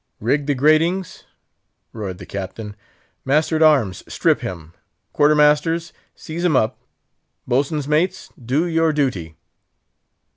"Rig the gratings?" roared the Captain. "Master at arms, strip him! quarter masters, seize him up! boatswain's mates, do your duty!"